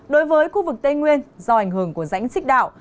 đối với khu vực tây nguyên do ảnh hưởng của rãnh xích đạo